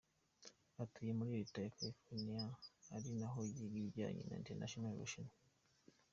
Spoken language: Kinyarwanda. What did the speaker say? Atuye muri Leta ya California ari naho yiga ibijyanye na International Relations.